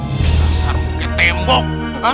kasar bu ke tembok